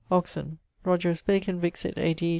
Oxon.; Rogerus Bacon vixit A.D.